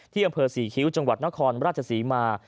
อำเภอศรีคิ้วจังหวัดนครราชศรีมา